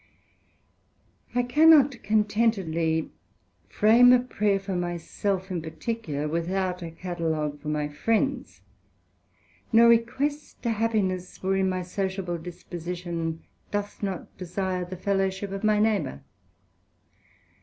I cannot contentedly frame a prayer for my self in particular, without a catalogue for my friends; nor request a happiness wherein my sociable disposition doth not desire the fellowship of my neighbour.